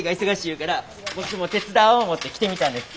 言うから僕も手伝おう思って来てみたんです。